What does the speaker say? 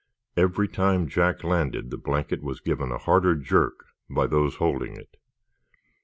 Every time Jack landed the blanket was given a harder jerk by those holding it.